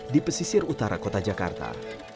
di pesisir utara kota jakarta